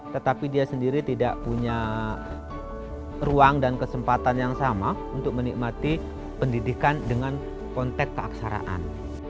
tetapi dia sendiri tidak punya ruang dan kesempatan yang sama untuk menikmati pendidikan dengan konteks keaksaraan